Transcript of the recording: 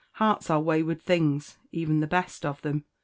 Hearts are wayward things, even the best of them."